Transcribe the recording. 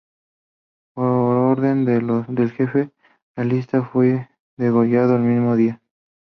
Por orden del jefe realista, fue degollado el mismo día.